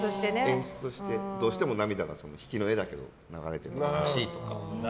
演出として、どうしても涙が引きの画だけでも流れていてほしいとか。